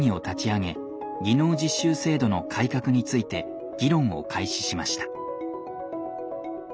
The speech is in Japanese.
技能実習制度の改革について議論を開始しました。